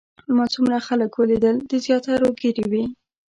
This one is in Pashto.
ما څومره خلک ولیدل د زیاترو ږیرې وې.